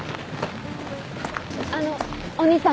あのお兄さん